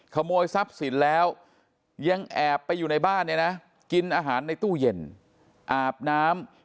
ขโมยทรัพย์สินแล้วยังแอบไปอยู่ในบ้านเนี่ยนะกินอาหารในตู้เย็นอาบน้ำ